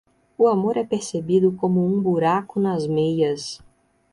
O amor é percebido como um buraco nas meias.